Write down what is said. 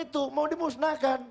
itu mau dimusnahkan